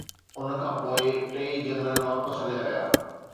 ان کان پوءِ ٽيئي جنرل واپس هليا ويا